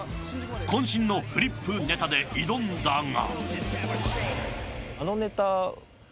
渾身のフリップネタで挑んだが。